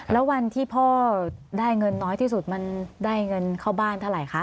แล้ววันที่พ่อได้เงินน้อยที่สุดมันได้เงินเข้าบ้านเท่าไหร่คะ